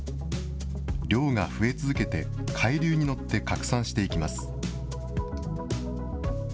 量が増え続けて、海流に乗って拡散していきます。